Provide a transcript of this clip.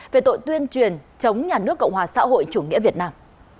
về tội tuyên truyền chống nhà nước cộng hòa xã hội chủ nghĩa việt nam